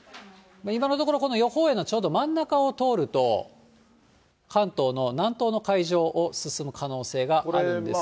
今のところ、この予報円のちょうど真ん中を通ると、関東の南東の海上を進む可能性があるんですが。